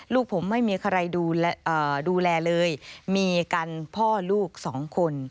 ลูกผมไม่มีใครดูแลเลยมีกันพ่อลูกสองคน